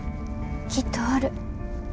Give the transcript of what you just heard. きっとおる。